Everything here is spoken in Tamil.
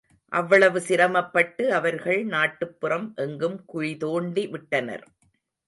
அவ்வளவு சிரமப்பட்டு, அவர்கள் நாட்டுப்புறம் எங்கும் குழிதோண்டி விட்டனர்.